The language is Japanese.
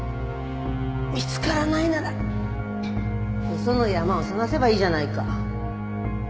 見つからないならよその山を探せばいいじゃないか。